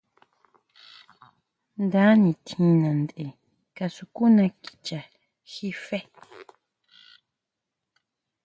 Nda nitjína tʼen kasukuna kicha jí fe.